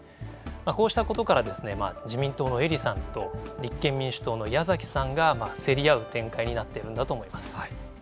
こうしたことから、自民党の英利さんと立憲民主党の矢崎さんが競り合う展開になっているんだと思います。